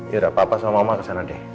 yaudah papa sama mama kesana deh